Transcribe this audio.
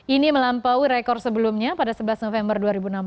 ini melampaui rekor sebelumnya pada sebelas november dua ribu enam belas